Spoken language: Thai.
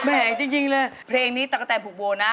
แม่จริงเลยเพลงนี้ทักกะแตนพุกโบนะ